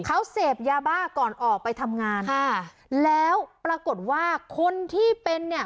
เขาเสพยาบ้าก่อนออกไปทำงานค่ะแล้วปรากฏว่าคนที่เป็นเนี่ย